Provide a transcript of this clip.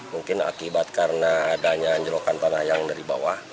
mungkin akibat karena adanya anjlokan tanah yang dari bawah